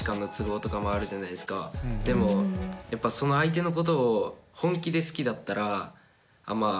でもやっぱその相手のことを本気で好きだったらまあ